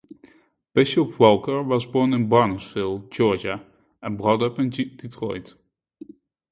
Bishop Walker was born in Barnesville, Georgia and brought up in Detroit.